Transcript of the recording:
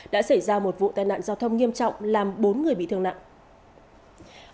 đã xảy ra một vụ tai nạn giao thông nghiêm trọng làm bốn người bị thương nặng